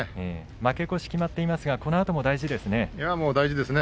負け越し決まっていますがこのあとも大事ですね。